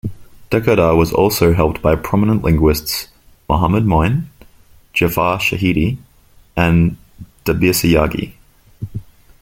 Dehkhoda was also helped by prominent linguists Mohammad Moin, Jafar Shahidi, and Dabirsiyaghi.